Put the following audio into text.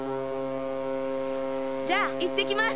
じゃあいってきます！